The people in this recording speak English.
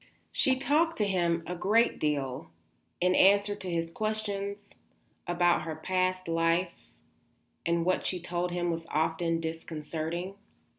She talked to him a great deal, in answer to his questions, about her past life, and what she told him was often disconcerting.